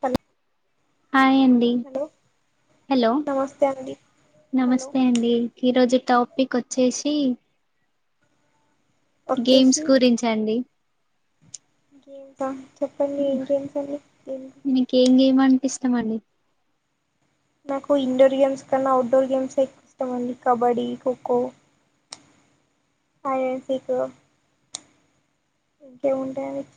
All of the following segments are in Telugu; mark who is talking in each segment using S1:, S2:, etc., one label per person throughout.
S1: తాన్
S2: హాయ్ అండి. హలో
S1: నమస్తే అండి హలో
S2: నమస్తే అండి. ఈరోజు టాపిక్ వచ్చేసి గేమ్స్
S1: వచ్చేసి
S2: గురించండి.
S1: గేమ్సా చెప్పండి. ఏం గేమ్స్ అండి.
S2: ఇష్టమాండి.
S1: నాకు ఇండోర్ గేమ్స్ కన్నా, అవుట్డోర్ గేమ్స్ ఎక్కువ ఇష్టమ్ అండి. కబడ్డీ, ఖోఖో హాయ్ అంటిట్యూడ్ ఇంకేముంటాయాండి.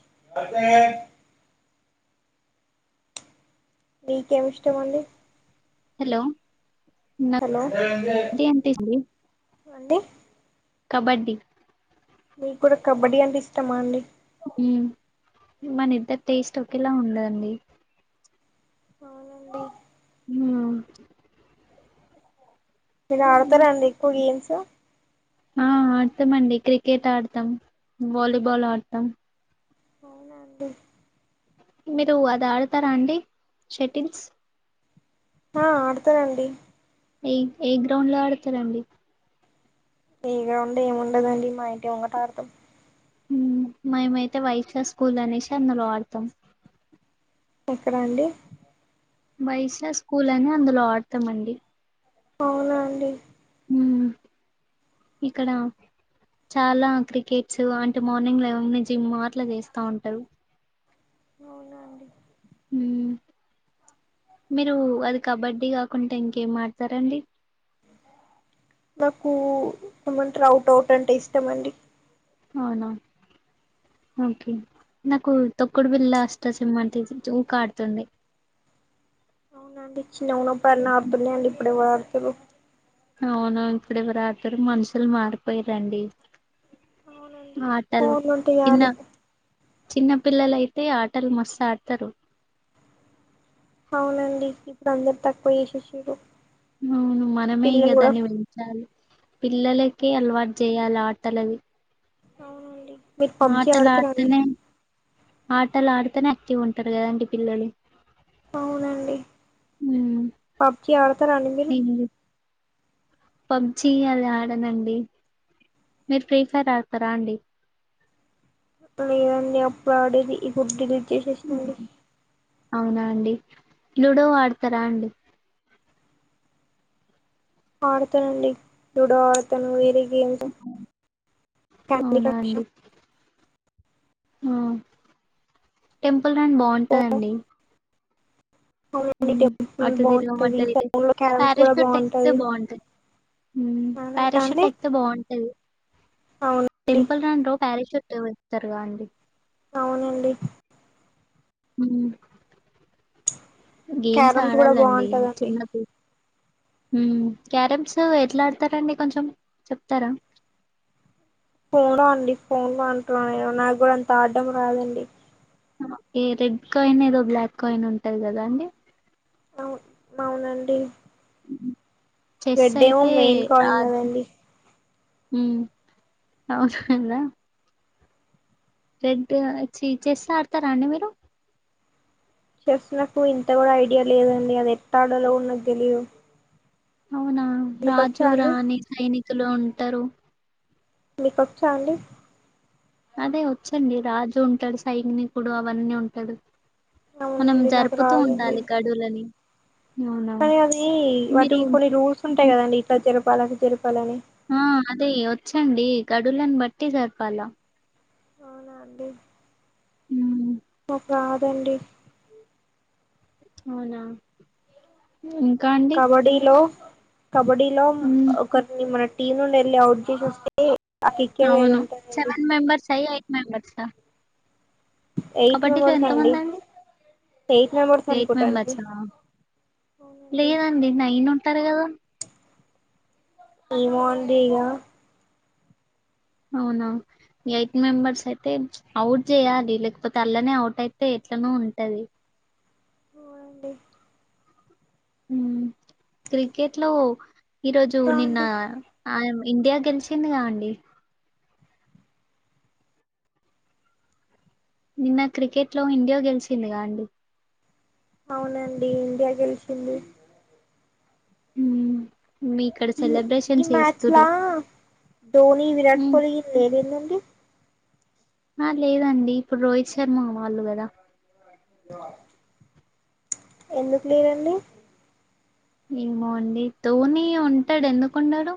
S1: మీకేం ఇష్టమండి.
S2: హలో నాకు
S1: హలో అండి.
S2: ఇది అంటే ఇష్టం కబడ్డీ
S1: మీకు కూడా కబడ్డీ అంటే ఇష్టమా అండి.
S2: హ్మ్ మనిందరి టేస్ట్ ఒకేలా ఉండా దండి.
S1: అవును
S2: [unintelligible]
S1: మీరు ఆడతారా అండి ఎక్కువ గేమ్స్
S2: ఆ ఆడుతామ్ అండి. క్రికెట్ ఆడతాం. వాలీబాల్ ఆడతాం.
S1: అవునా అండి.
S2: మీరు అది ఆడతారా అండి. షెటీల్స్
S1: ఆ ఆడతనండి.
S2: ఏ ఏ గ్రౌండ్ లో ఆడతారండి.
S1: ఏ గ్రౌండ్ ఏము ఉండదండి. మా ఇంటి ముంగట ఆడతాం.
S2: మేమైతే వైషా ఆ స్కూల్ అనేసి అందులో ఆడతాం.
S1: ఎక్కడా అండి.
S2: వయస్లా స్కూల్ అని అందులో ఆడతామండి.
S1: అవునా అండి.
S2: ఇక్కడ చాలా క్రికెట్స్ అంటే మార్నింగ్ లేవన్ నుంచి జిమ్ అట్లా చేస్తా ఉంటారు.
S1: అవునా అండి.
S2: హ్మ్ మీరు అది కబడ్డీ కాకుంట ఇంకేం ఆడతారండి.
S1: నాకు [unintelligible] అవుట్ అవుట్ అంటే ఇష్టమండి.
S2: అవునా ఓకే నాకు తొక్కుడు బిళ్ళా, అష్టచమ్మ అంటే ఊకె ఆడుతుండే
S1: అవునండి చిన్నగున్నపుడు అన్న ఆడుతుండే ఇప్పుడేవ తూళ్లు
S2: అవునా ఇప్పుడు ఎవరు ఆడుతరు మనుషులు మారిపోయిరండి ఆటలు
S1: ఫోన్ నుంటే
S2: చిన్న
S1: చాలు
S2: చిన్న పిల్లలైతే ఆటలు మస్ ఆడతారు
S1: అవునండి ఇప్పుడు అందరు తక్కువ చేసేసిరు
S2: అవును మనమే ఇగ
S1: పిల్లలు కూడా
S2: దాన్ని వేంచాలి పిల్లలకే అలవాటు చేయ ల ఆటలది
S1: అవునండి మీరు
S2: నా
S1: పబ్జి
S2: ఆటలు
S1: ఆడతారా అండి
S2: ఆడుతనే ఆటలు ఆడితనే అక్టివ్ ఉంటరు కదాండి పిల్లలు
S1: అవునండి
S2: హ్మ్.
S1: పబ్జి ఆడతారా అండి మీరు
S2: పబ్జి అలా ఆడనండి మీరు ఫ్రీ ఫైర్ ఆడతారా అండి
S1: లేదండి అప్పుడు ఆడేది ఇపుడు డిలీట్ చేసేసినండి
S2: హ్మ్. అవునా అండి లూడో ఆడుతారా అండి
S1: ఆడతానుండి లుడో ఆడతను వేరే వియాంక
S2: హ్మ్. అవునా
S1: క్యాండీక్రాషా
S2: అండి? ఆ టెం పుల్ రన్ బాగుంటాదండి
S1: అవునండి
S2: ఊమ్
S1: టెంపుల్
S2: అటు
S1: బాగుంటది
S2: తిరగమంటంది ఇటు
S1: ఫోన్ లో క్యారమ్స్ కూడా
S2: పారాషూట్ అయితే
S1: బాగుంటది
S2: బాగుంటంది
S1: అవునంటా అండి
S2: పారాషూట్ ఎక్తే బాగుంటది
S1: అవునండి
S2: టెంపల్ రాన్ రో ప్యారషూట్ విళ్తరుగా అండి
S1: అవునండి
S2: ఊమ్ గేమ్స్
S1: క్యారమ్స్ కూడా
S2: ఆడాలండి
S1: బాగుంటదండి
S2: చిన్నప్పు ఊమ్ క్యారమ్స్ ఎట్లా ఆడతారండి కొంచెం చెప్తారా
S1: ఫోనొ అండి ఫోన్ లో అంటున్న నేను నాకూడా అంత ఆడ్డం రాదండి
S2: ఓకే రెడ్ కాయిన్ ఏదో బ్లాక్ కాయిన్ ఉంటది గదా అండి
S1: అవును అవునండి
S2: చెస్
S1: రెడ్ ఏమో
S2: అయితే
S1: మెయిన్ కాయిన్ కదండి
S2: ఉ అవును కదా రెడ్ చీట్ చేసి ఆడతారా అండి మీరు
S1: చెస్ నాకు ఇంత కూడా ఐడియా లేదండి అది ఎట్ట ఆడాలో కూడ నాకు తెలిదు
S2: అవునా రాజు రాణి సైనిక్ లో ఉంటరు
S1: మీకొచ్చా అండి
S2: అదే వచ్చండి రాజు ఉంటాడు సైనికుడు అవన్నీ ఉంటాడు మనం
S1: అవునండి నాకు
S2: జరుపుతూ
S1: రాదండి
S2: ఉండాలి గడులని
S1: కానీ అది వాటి కొన్ని రూల్స్ ఉంటాయి
S2: ఉమ్,
S1: కదండి ఇట్లా జరు పాల తెరు
S2: ఆ అదే ఒ వచ్చండి గడులను బట్టి జరిపాలా
S1: అవునా అండి
S2: మ్మ్
S1: రాదండి
S2: అవునా ఇంకా అండి
S1: కబడీలో కబడ్డీలో
S2: ఉమ్
S1: ఒకరిని మన టీమ్ నుండి వెళ్ళి అవుట్ చేసోస్తే
S2: అవును సెవెన్ మెంబర్స్ అయి అయ్ మెంబర్స
S1: ఎయిట్
S2: కబడ్డీలో
S1: మెంబర్స్
S2: ఎంత మంది అండి
S1: ఎయిట్ మెంబర్స్
S2: ఎయిట్
S1: అనుకుంటా అండి
S2: మెంబర్స
S1: అవునండి
S2: లేదండి నైను టరు కదా
S1: ఏమో అండి ఇగ
S2: అవునా ఎయిట్ మెంబర్స్ అయితే అవుట్ చేయాలి లేకపోతే అల్లనే అవుట్ అయితే ఎట్లనో ఉంటది
S1: అవునండి
S2: మ్మ్ క్రికెట్ లో ఈరోజు
S1: ఇంకా
S2: నిన్న
S1: అండి
S2: ఆ ఇండియా గెలిసిందిగా అండి నిన్న క్రికెట్ లో ఇండియా గెలిసిందిగా అండి
S1: అవునండి ఇండియా గెలిచింది
S2: మ్మ్
S1: ఈ ఈ మ్యాచ్ లా ధోని విరాట్
S2: హ్మ్.
S1: కోహ్లీ లేరెందన్ ది
S2: ఆ లేదండి ఇప్పుడు రోహిత్ శర్మ వాళ్ళు కదా
S1: ఎ ఎందుకు లేరండి
S2: ఏమో అండి ధోని ఉంటాడు ఎందుకుండడు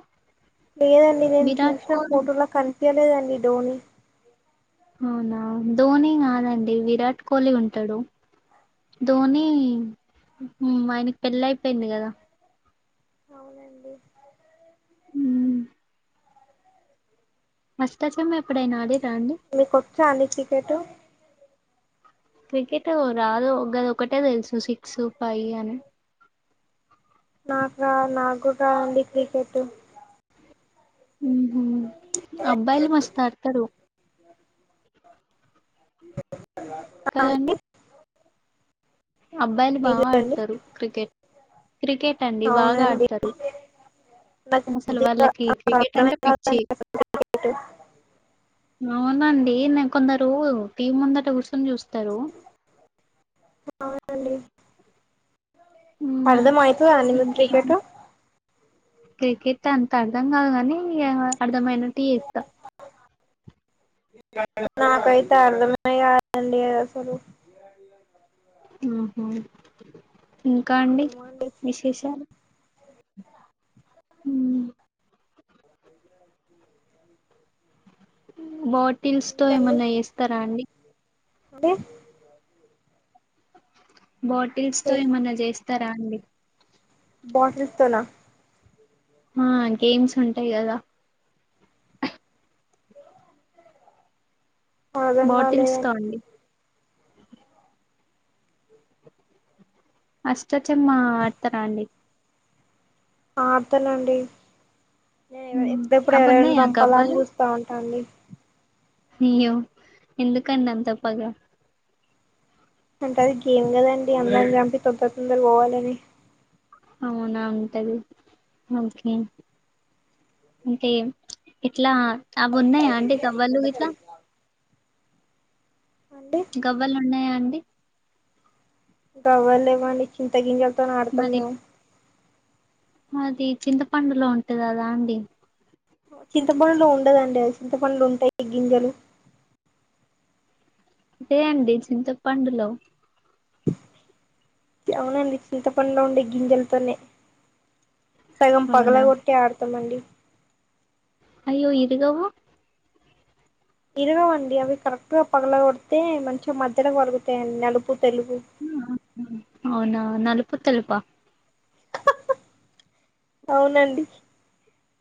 S1: లేదండి నేను
S2: విరాట్
S1: చూసిన
S2: కోహ్లీ
S1: ఫోటోలో కనిపి పీయలేదండి ధోని
S2: అవునా ధోని కాదండి విరాట్ కోహ్లీ ఉంటాడు ధోని మ్మ్ ఆయనకి పెళ్ళి అయిపోయింది కదా
S1: అవునండి
S2: మ్మ్ మస్టాచెమ్ ఎప్
S1: మీకొచ్చ అండి క్రికెటు
S2: క్రికెట్ రాదు గదొకటే తెలుసు సిక్స్ ఫైవ్ అని
S1: నాకు రా నాకుడా రాదండి క్రికెట్
S2: ఉహూ అబ్బాయిలు మస్త్ ఆడతారు కదండి
S1: అండి
S2: అబ్బాయిలు బాగా
S1: మీదండి
S2: ఆడతారు క్రికెట్, క్రికెట్ అండి బాగా
S1: అవునండి
S2: ఆడతారు,
S1: నాకు
S2: అసలు
S1: బుద్ధిగా
S2: వాళ్ళకి క్రికెట్
S1: అర్థమే
S2: అంటే పిచ్చి
S1: కాదండి
S2: అవునండి నేను కొందరు టీవి ముందట కూసోని చూస్తారు
S1: అవునండి
S2: మ్
S1: అర్ధం అయితదా అండి మీకు
S2: ఇంకేం
S1: క్రికెట్
S2: క్రికెట్ అంత అర్ధం కాదు కాని అర్ధమయినట్టుచేత్తా
S1: నాకయితే అర్దమయి య అండి అసలు
S2: ఆహా ఇంకా అండి విశేషాలు మ్మ్ బోట్ తిల్స్తో ఏమన్నా చేస్తారా అండి
S1: అనే
S2: బాటిల్స్ తో ఏమన్నా చేస్ స్తరా అండి
S1: బాటిల్స్తోనా
S2: ఆ గేమ్స్ ఉంటాయి కదా
S1: అర్థం
S2: బాటిల్స్ తో
S1: కాలేదండి
S2: అండి అష్ట చెమ్మ ఆడతారా అండి
S1: ఆ ఆడుతానండి నే
S2: ఉమ్,
S1: ఎప్పుడెప్పుడు
S2: అవి
S1: ఎవరెవరిని
S2: ఉన్నాయా
S1: సంపాల అని
S2: గవ్వలు
S1: చూస్తా ఉంటా అండి
S2: అయ్యో, ఎందుకండి అంత పగా
S1: అంటే అది గేమ్ కదండి అందర్ని చంపి తొందర తొందర పోవాలని
S2: అవునా ఉంటది ఓకే అంటే ఎట్లా అవి ఉన్నాయా అండి గవ్వలు ఇట్లా
S1: అండి
S2: గవ్వలు ఉన్నాయా డి
S1: గవ్వలు లేవ్వండి చింతగింజలు తోని ఆడుతాం
S2: మరి
S1: మేము
S2: అది చింతపండులో ఉంటది అదా అండి
S1: చింతపండు లో ఉండదండి అది చింతపండుల ఉంటాయి గింజలు
S2: అదే అండి చింత పండులో
S1: అవునండి. చింతపండు లో ఉండే గింజలతోనే సగం
S2: అవునా
S1: పగలకొట్టి ఆడతామండి.
S2: అయ్యో ఇరుగవు.
S1: ఇరగవండి. అవి కరెక్ట్ గా పగల కొడితే మంచింగా మధ్యలకు పలుగుతాయండి. నలుపు తెలుపూ
S2: ఆ! అవునా నలుపు తెలుపా
S1: అవునండి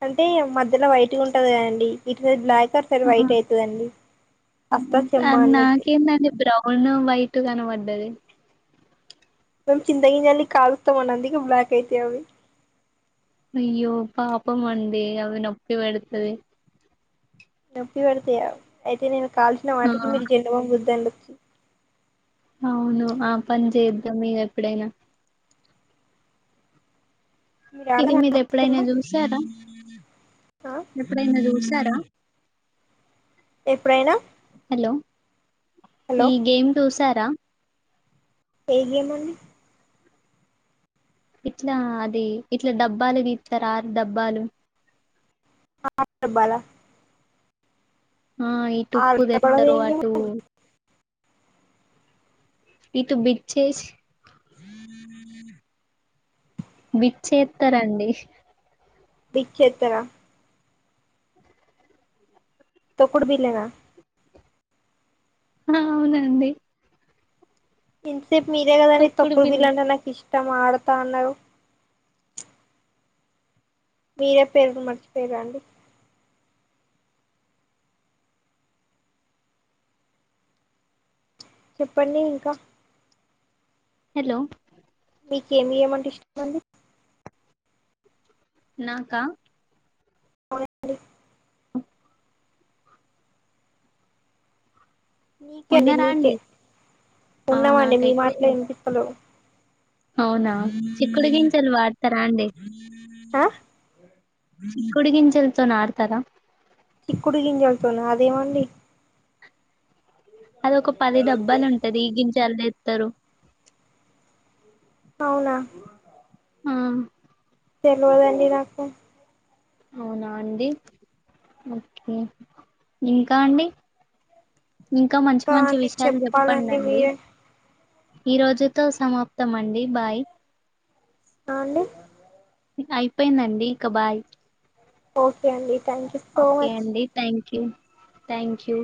S1: అంటే మధ్యలో వైట్గా ఉంటది కదండి. వీటి మీద బ్లాక్ అటు సైడ్
S2: అహా
S1: వైట్ అయితదండి అస్తా చెమ్మ అన్నట్టు
S2: నాకేంది ఆండీ. బ్రౌన్ వైట్ ట్టు కనవడ్డది
S1: మేము చింతగింజల్ని కాలుస్తామండి. అందుకే బ్ల్యాక్ అయితాయి. అవి
S2: అయ్యో పాపం అండీ. అవి నొప్పి పెడతది.
S1: నొప్పి పేడతాయి. అయితే నేను కాల్చిన
S2: ఆ
S1: వాటికి మీరు జండూబామ్ రుద్దండీ.
S2: అవును. ఆ పని చేద్దాం ఇగ ఎప్పుడైనా ఇది
S1: ఆడరా
S2: మీరు ఎప్పుడైనా
S1: హాస్టల్లో
S2: జుసారా
S1: ఆ
S2: ఉ ఎప్పుడైనా జుసి [unintelligible]
S1: ఎప్పుడైనా హలో
S2: ఈ గేమ్ చూసార్ రా
S1: ఏ గేమండి
S2: ఇట్లా అది ఇట్లా డబ్బాలు తీత్తరు. ఆరు డబ్బాలు
S1: ఆరు డాబ్బాలా
S2: ఆ ఇటు ఉప్పు
S1: డబ్బాలో
S2: తెత్తరు.
S1: ఏం గేమ్
S2: అటు ఇటు బిచ్చేసి బిచ్చ ఏత్తరండి.
S1: బిచ్చెత్తరా తొక్కుడు. బిల్లానా
S2: అవునండి
S1: [unintelligible] సెట్ మీరే కదాని
S2: తొక్కుడు
S1: తోక్కుడు
S2: బిల్ల
S1: బిల్లంటె నాకు ఇష్టం. ష్టం ఆడుతా అన్నావు. మీరే పేరు మర్చిపోయారు. అండి చెప్పండి. ఇంకా
S2: హలో
S1: మీకి ఏమి ఏమీ అంటే ఇష్టం అండి.
S2: నాకా
S1: అ అండి నీకే అండి నీకే
S2: ఆ
S1: ఉన్నమండి. మీ
S2: నాకైతే
S1: మాటలే ఎన్పిత్తలేవు.
S2: అవునా చిక్కుడు గించిల్ వాడతారా అండి
S1: ఆ
S2: ఆ చిక్కుడు గంజలతో నాటుతారా
S1: చిక్కుడు గింజలతోనా అదేమండి
S2: అదొక పది డబ్బాలుంటది గింజల్ దె టరు
S1: అవునా
S2: ఆ
S1: తెల్వదండి నాకు
S2: అవునా అండి ఓకే ఇంకా అండి ఇంకా మంచి మంచి
S1: అండి
S2: విషయాలు
S1: చెప్పాలండి
S2: చెప్పండండి
S1: మీరే
S2: ఈ రోజుతో సమాప్తమండి బాయ్
S1: ఆ అండి
S2: అయిపోయిందండి ఇక బాయ్
S1: ఓకే అండి థ్యాంక్ యూ సో మచ్
S2: క్యూ థ్యాంక్ యూ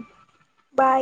S1: బాయ్